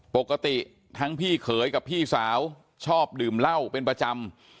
ปกติทั้งพี่เขยกับพี่สาวชอบดื่มเหล้าเป็นประจำ